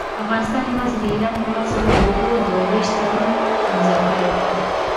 افغانستان يوازي د ايران هيواد سره د اوبو د ويش تړون امضأ کړي دي.